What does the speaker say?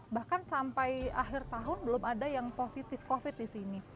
bahkan sampai akhir tahun belum ada yang positif covid di sini